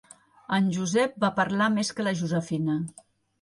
En Josep va parlar més que la Josefina.